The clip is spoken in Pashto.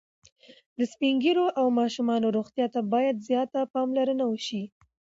د سپین ږیرو او ماشومانو روغتیا ته باید زیاته پاملرنه وشي.